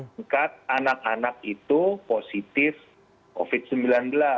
tingkat anak anak itu positif covid sembilan belas